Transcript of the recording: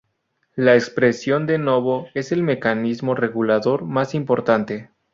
La expresión de novo es el mecanismo regulador más importante.